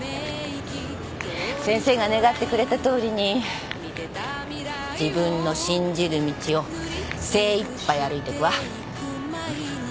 先生が願ってくれたとおりに自分の信じる道を精いっぱい歩いてくわ。